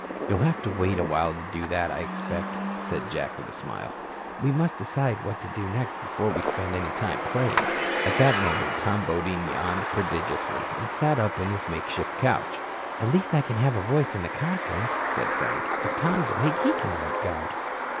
"You'll have to wait awhile to do that, I expect," said Jack with a smile. "We must decide what to do next before we spend any time playing." At that moment, Tom Bodine yawned prodigiously and sat up on his make shift couch. "At least I can have a voice in the conference," said Frank. "If Tom's awake he can mount guard."